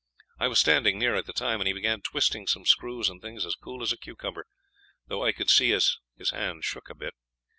I was standing near at the time, and he began twisting some screws and things as cool as a cucumber, though I could see as his hand shook a bit.